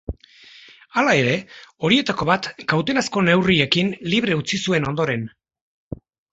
Hala ere, horietako bat kautelazko neurriekin libre utzi zuen ondoren.